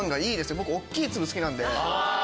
僕大っきい粒好きなんで。